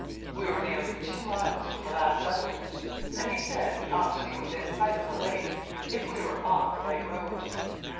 We were nearly two miles from the last settlement, and he said we ought to be within sight of the lake if we were on the right road.